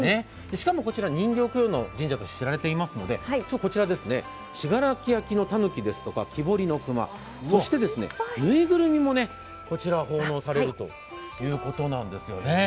しかもこちら、人形供養の神社として知られていますので、こちら、信楽焼のたぬきですとか木彫りの馬、そしてぬいぐるみも奉納されるということなんですね。